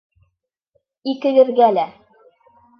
Икегеҙгә лә.